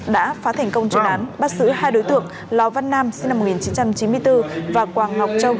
đã phá thành công chuyển đoán bắt giữ hai đối tượng ló văn nam sinh năm một nghìn chín trăm chín mươi bốn và quảng ngọc châu